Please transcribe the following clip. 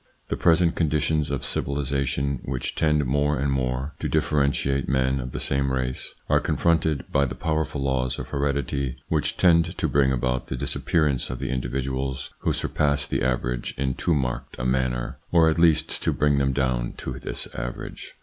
The present conditions of civilisa tion, which tend more and more to differentiate men of the same race, are confronted by the powerful laws of heredity which tend to bring about the disappear ance of the individuals who surpass the average in too marked a manner, or at least to bring them down to this average.